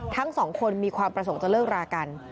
ทั้งสองคนมีความประสงค์จะเลิกรากัน